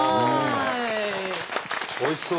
おいしそう。